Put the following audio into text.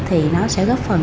thì nó sẽ góp phần